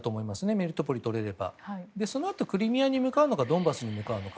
メリトポリをとれればそのあと、クリミアに向かうのかドンバスに向かうのか。